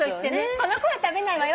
この子は食べないわよ。